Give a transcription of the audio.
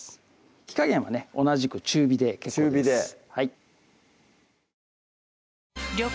火加減はね同じく中火で結構です